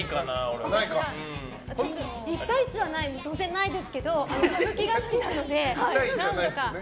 １対１は当然ないですけど歌舞伎が好きなので何度か。